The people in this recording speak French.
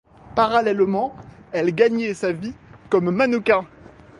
Parallèlement, elle gagnait sa vie comme mannequin.